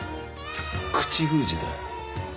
口封じだ。